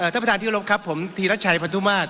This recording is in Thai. ท่านประธานที่รบครับผมธีรัชชัยพันธุมาตร